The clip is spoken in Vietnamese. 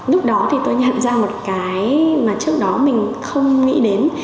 lúc đó thì tôi nhận ra một cái mà trước đó mình không nghĩ đến